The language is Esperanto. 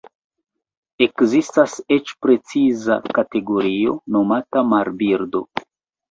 Ekzistas eĉ preciza kategorio nomata Marbirdo.